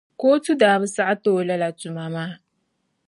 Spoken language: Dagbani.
Kootu daa bi saɣiti o lala tuma maa.